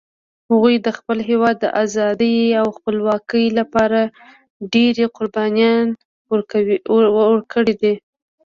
هغوی د خپل هیواد د آزادۍ او خپلواکۍ لپاره ډېري قربانيان ورکړي دي